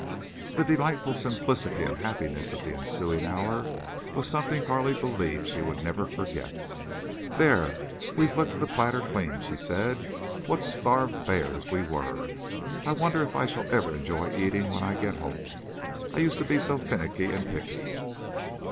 The delightful simplicity and happiness of the ensuing hour was something Carley believed she would never forget. "There! we've licked the platter clean," she said. "What starved bears we were!.... I wonder if I shall enjoy eating—when I get home. I used to be so finnicky and picky."